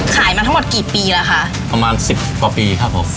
มาทั้งหมดกี่ปีแล้วคะประมาณสิบกว่าปีครับผม